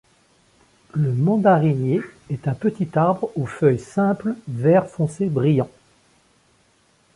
Le mandarinier est un petit arbre aux feuilles simples vert foncé brillant.